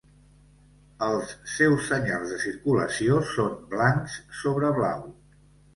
Els seus senyals de circulació són blancs sobre blau.